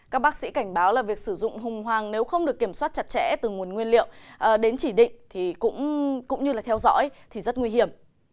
các bác sĩ cảnh báo là việc sử dụng hùng hoàng nếu không được kiểm soát chặt chẽ từ nguồn nguyên liệu đến chỉ định thì cũng như là theo dõi thì rất nguy hiểm